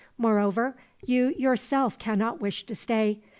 Moreover, you yourself cannot wish to stay.